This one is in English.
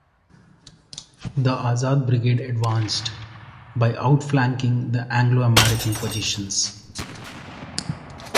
The Azad Brigade advanced, by outflanking the Anglo-American positions.